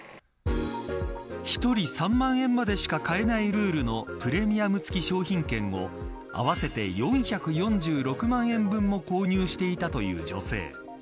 １人３万円までしか買えないルールのプレミアム付き商品券を合わせて４４６万円分も購入していたという女性。